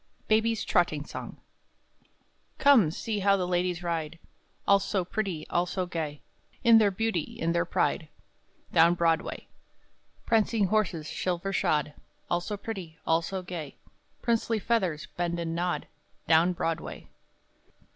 ] [Daintily] Come, see how the ladies ride, All so pretty, all so gay, In their beauty, in their pride, Down Broadway; Prancing horses silver shod, All so pretty, all so gay; Princely feathers bend and nod, Down Broadway.